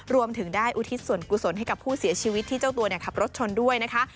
รวมถึงได้อุทิศส่วนกุศลให้กับผู้เสียชีวิตที่เจ้าตัวขับรถชนด้วยนะคะ